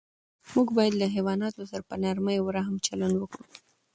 موږ باید له حیواناتو سره په نرمۍ او رحم چلند وکړو.